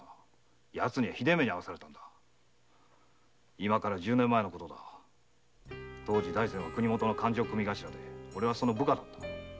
今から十年前大膳は国許の勘定組頭で俺はその部下だった。